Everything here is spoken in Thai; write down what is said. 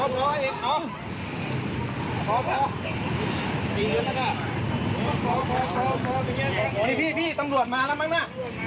พี่ตำรวจมาแล้วมั้งนะ